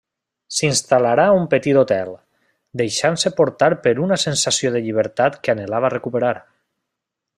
S'instal·larà a un petit hotel, deixant-se portar per una sensació de llibertat que anhelava recuperar.